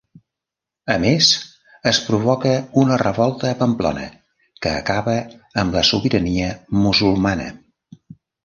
A més, es provoca una revolta a Pamplona que acaba amb la sobirania musulmana.